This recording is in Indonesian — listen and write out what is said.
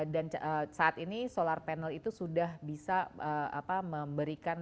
dan saat ini solar panel itu sudah bisa memberikan